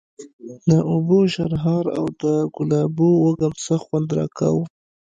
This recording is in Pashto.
د اوبو شرهار او د ګلابو وږم سخت خوند راکاوه.